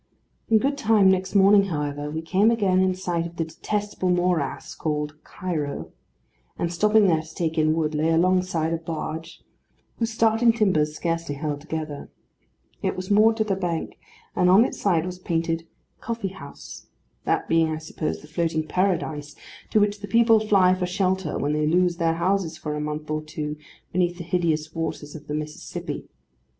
In good time next morning, however, we came again in sight of the detestable morass called Cairo; and stopping there to take in wood, lay alongside a barge, whose starting timbers scarcely held together. It was moored to the bank, and on its side was painted 'Coffee House;' that being, I suppose, the floating paradise to which the people fly for shelter when they lose their houses for a month or two beneath the hideous waters of the Mississippi.